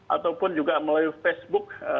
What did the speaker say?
ataupun juga melalui facebook